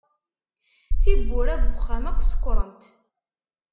Tiwwura n wexxam akk sekkṛent.